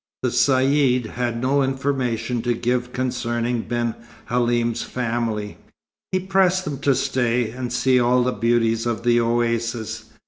The Caïd had no information to give concerning Ben Halim's family. He pressed them to stay, and see all the beauties of the oasis.